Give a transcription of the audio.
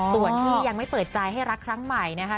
ส่วนที่ยังไม่เปิดใจให้รักครั้งใหม่นะคะ